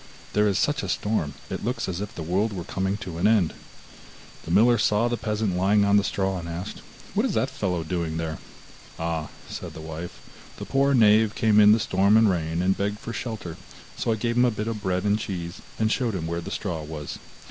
There is such a storm, it looks as if the world were coming to an end.' The miller saw the peasant lying on the straw, and asked, 'What is that fellow doing there?' 'Ah,' said the wife, 'the poor knave came in the storm and rain, and begged for shelter, so I gave him a bit of bread and cheese, and showed him where the straw was.